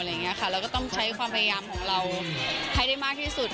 เราก็ต้องใช้ความพยายามของเราให้ได้มากที่สุด